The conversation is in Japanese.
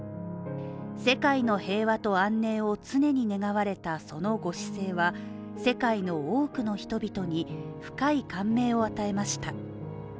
世界の平和と安寧を常に願われたその御姿勢は、世界の多くの人々に深い感銘を与えました。